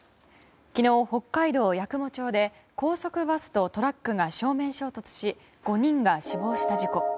昨日、北海道八雲町で高速バスとトラックが正面衝突し５人が死亡した事故。